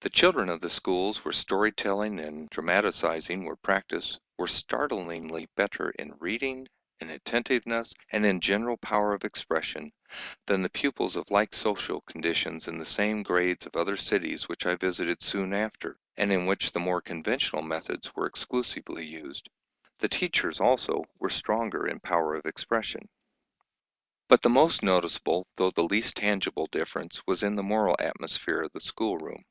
The children of the schools where story telling and "dramatising" were practised were startlingly better in reading, in attentiveness, and in general power of expression, than the pupils of like social conditions in the same grades of other cities which I visited soon after, and in which the more conventional methods were exclusively used. The teachers, also, were stronger in power of expression. But the most noticeable, though the least tangible, difference was in the moral atmosphere of the schoolroom.